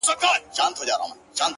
لږ دي د حُسن له غروره سر ور ټیټ که ته ـ